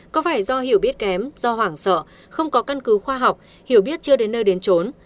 có phải do hiểu biết kém do hoảng sợ không có căn cứ khoa học hiểu biết chưa đến nơi đến trốn